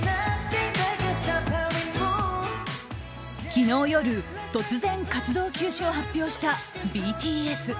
昨日夜、突然活動休止を発表したＢＴＳ。